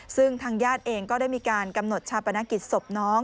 ซึ่งทางญาติเองก็ได้มีการกำหนดชาปนกิจศพน้อง